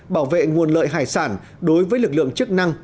bảo vệ nguồn lợi hải sản đối với lực lượng chức năng